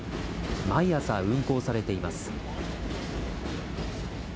毎朝運行されています。